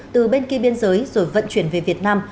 từ bên kia biên giới rồi vận chuyển về việt nam